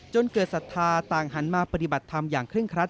จนเกิดศรัทธาต่างหันมาปฏิบัติธรรมอย่างเคร่งครัด